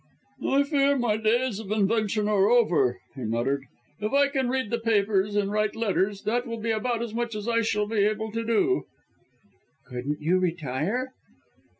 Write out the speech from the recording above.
"I fear my days of invention are over," he muttered. "If I can read the papers and write letters, that will be about as much as I shall be able to do." "Couldn't you retire?"